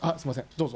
どうぞ。